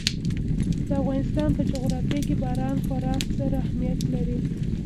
د افغانستان په جغرافیه کې باران خورا ستر اهمیت لري.